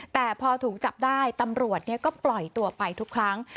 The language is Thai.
แต่พอถูกจับได้ตำรวจก็ปล่อยตัวไปทุกครั้ง